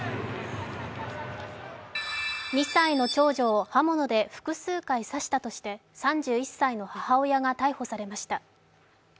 ２歳の長女を刃物で複数回刺したとして３１歳の母親が逮捕されました。